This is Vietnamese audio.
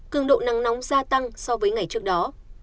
cường độ nắng nóng gia tăng so với ngày trước đó